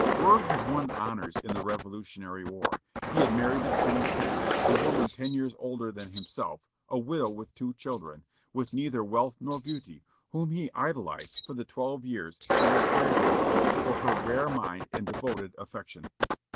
Burr had won honors in the Revolutionary War. He had married at twenty six, a woman ten years older than himself, a widow with two children, with neither wealth nor beauty, whom he idolized for the twelve years she was spared to him, for her rare mind and devoted affection.